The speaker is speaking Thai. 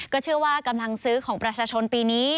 เชื่อว่ากำลังซื้อของประชาชนปีนี้